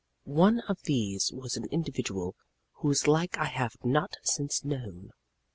One of these was an individual whose like I have not since known.